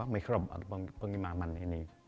mikrob atau pengimaman ini